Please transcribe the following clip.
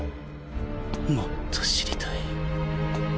もっと知りたい